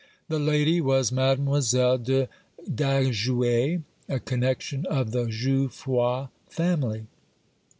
The lady was Mademoiselle de Daguet, a connection of the Jouffroy family.